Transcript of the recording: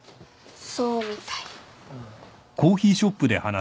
そうみたい。